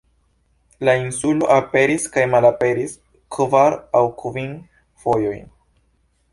La insulo aperis kaj malaperis kvar aŭ kvin fojojn.